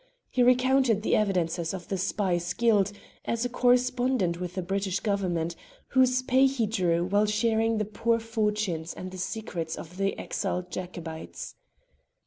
He recounted the evidences of the spy's guilt as a correspondent with the British Government, whose pay he drew while sharing the poor fortunes and the secrets of the exiled Jacobites.